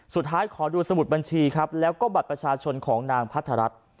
สุดท้ายขอดูสมุดบัญชีครับแล้วก็บัตรประชาชนของนางพัฒนรัฐ